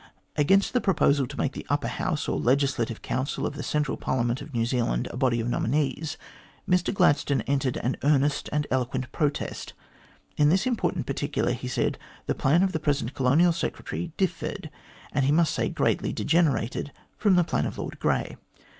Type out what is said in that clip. Against the proposal to make the Upper House or Legislative Council of the Central Parliament of New Zealand a body of nominees, Mr Gladstone entered an earnest and eloquent protest. In this important particular, he said, the plan of the present Colonial Secretary differed, and he must say greatly degenerated, from the plan of Lord Grey.